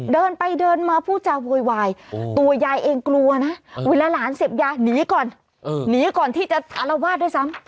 เดินไปเดินมาพูดจาโวยวายตัวยายเองกลัวนะเวลาหลานเสพยาหนีก่อนหนีก่อนที่จะอารวาสด้วยซ้ำ